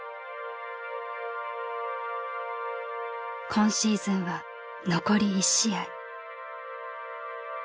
「今シーズンは残り１試合」。